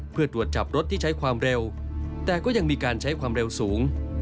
เพื่อตรวจจับรถที่ใช้ความเร็วแต่ก็ยังมีการใช้ความเร็วสูง